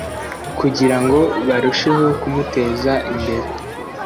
, kugira ngo barusheho kumuteza imbere